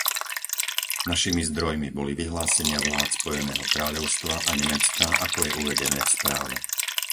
Našimi zdrojmi boli vyhlásenia vlád Spojeného kráľovstva a Nemecka, ako je uvedené v správe.